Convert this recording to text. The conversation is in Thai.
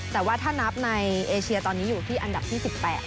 แต่ว่าถ้านับในเอเชียตอนนี้อยู่ที่อันดับที่๑๘